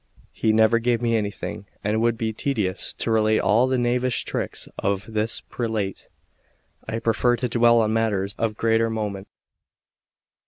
He never gave me anything; and it would be tedious to relate all the knavish tricks of this prelate. I prefer to dwell on matters of greater moment.